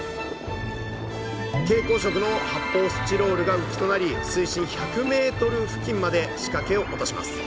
蛍光色の発泡スチロールが浮きとなり水深１００ｍ付近まで仕掛けを落とします。